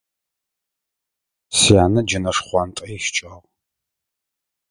Сянэ джэнэ шхъуантӏэ ищыкӏагъ.